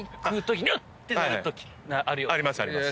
ありますあります。